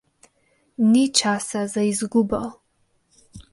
Ni časa za izgubo.